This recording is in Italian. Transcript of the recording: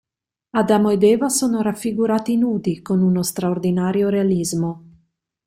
Adamo ed Eva sono raffigurati nudi, con uno straordinario realismo.